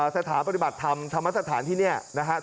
สถาปฏิบัติธรรมธรรมสถานที่เนี่ยนะครับ